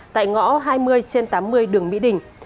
tại ngõ hai mươi trên tám mươi đường mỹ đình